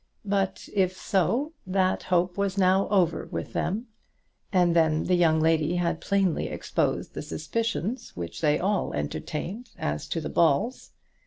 But if so, that hope was now over with them. And then the young lady had plainly exposed the suspicions which they all entertained as to the Balls.